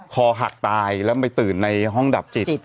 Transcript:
คอหักตายแล้วไปตื่นในห้องดับจิต